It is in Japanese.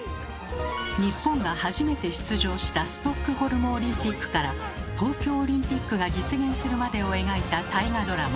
日本が初めて出場したストックホルムオリンピックから東京オリンピックが実現するまでを描いた大河ドラマ